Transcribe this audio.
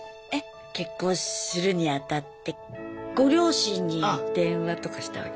結婚するにあたってご両親に電話とかしたわけ？